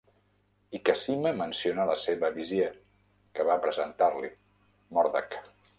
I Cassima menciona la seva Vizier, que va presentar-li Mordack.